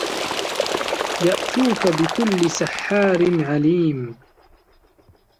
يَأتوكَ بِكُلِّ سَحّارٍ عَليمٍ